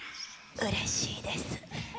うれしいです。